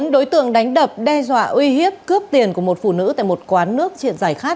bốn đối tượng đánh đập đe dọa uy hiếp cướp tiền của một phụ nữ tại một quán nước triện giải khát